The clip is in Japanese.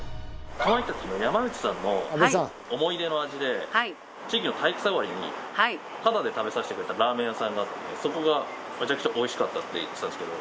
かまいたちの山内さんの思い出の味で地域の体育祭終わりにタダで食べさせてくれたラーメン屋さんがあってそこがめちゃくちゃおいしかったって言ってたんですけど。